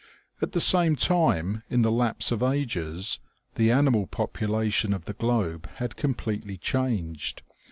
At the same time, in the lapse of ages, the animal popu lation of the globe had completely changed.